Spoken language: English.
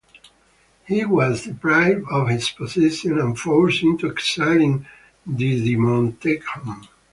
He was deprived of his possessions and forced into exile in Didymoteichon.